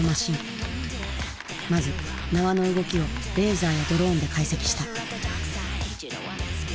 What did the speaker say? まず縄の動きをレーザーやドローンで解析した。